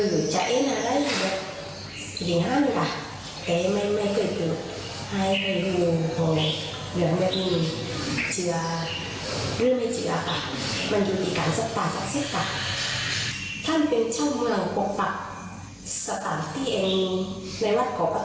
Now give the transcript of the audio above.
ในวัดของพระธรรม